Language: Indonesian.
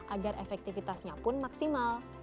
agar efektifitasnya pun maksimal